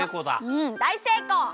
うんだいせいこう！